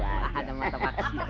enak banget nih